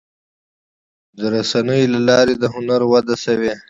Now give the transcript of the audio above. د رسنیو له لارې د هنر وده شوې.